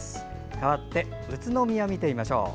かわって、宇都宮見てみましょう。